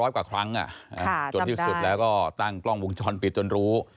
กว่าครั้งจนที่สุดแล้วก็ตั้งกล้องวงจรปิดจนรู้